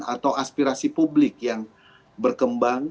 atau aspirasi publik yang berkembang